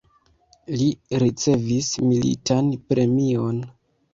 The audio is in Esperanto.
Li ricevis militan premion.